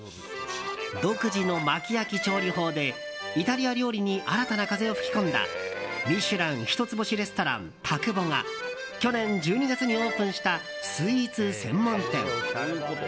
独自のまき焼き調理法でイタリア料理に新たな風を吹き込んだ「ミシュラン」一つ星レストランＴＡＣＵＢＯが去年１２月にオープンしたスイーツ専門店。